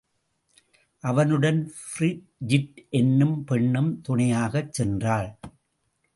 அவனுடன் பிரிஜிட் என்னும் பெண்ணும் துணையகச் சென்றாள்.